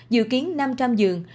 dự kiến năm trăm linh dường